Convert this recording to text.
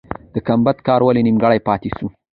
د ګمبد کار ولې نیمګړی پاتې سو؟